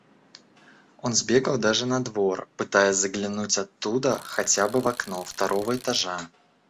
Он сбегал даже на двор, пытаясь заглянуть оттуда хотя бы в окно второго этажа.